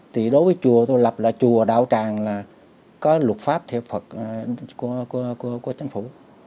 thì đối với chùa tôi lập là chùa đạo tràng là có luật pháp thiệp phật của chính phủ